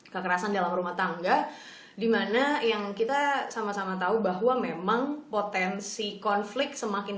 kekerasan dalam rumah tangga dimana yang kita sama sama tahu bahwa memang potensi konflik semakin